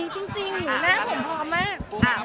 จริงอยู่นะผมพอมาก